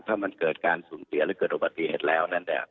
ถ้ามันเกิดการสูญเสียหรือเกิดอุบัติเหตุแล้วนั้นเนี่ย